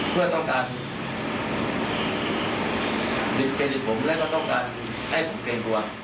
เพื่อต้องการดิบเครดิตผมและก็ต้องการให้ผมเกรงกลัว